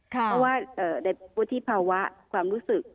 เพราะว่าในวุฒิภาวะความรู้สึก